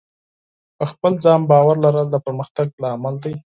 په خپل ځان باور لرل د پرمختګ لامل دی.